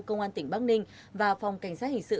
công an tỉnh bắc ninh và phòng cảnh sát hình sự